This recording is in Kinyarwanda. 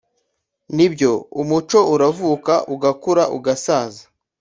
ni byo, umuco uravuka ugakura ugasaza